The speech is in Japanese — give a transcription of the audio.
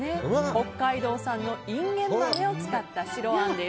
北海道産のインゲン豆を使った白あんです。